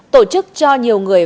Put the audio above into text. tổ chức cho nhiều người